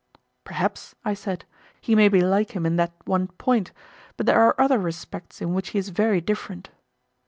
Perhaps, I said, he may be like him in that one point; but there are other respects in which he is very different.